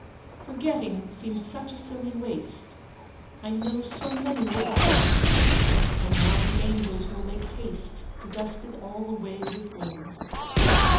Forgetting seems such silly waste! I know so many little things, And now the Angels will make haste To dust it all away with wings!